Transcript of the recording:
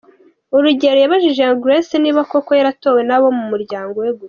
Urugero yabajije Young Grace niba koko yaratowe n’abo mu muryango we gusa.